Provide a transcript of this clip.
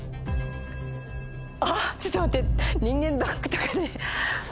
あぁちょっと待って。